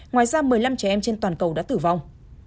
ngoài ra một mươi năm trẻ em trên toàn cầu đã tử vong